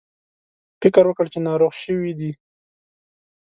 فکر وکړ چې ناروغ شوي دي.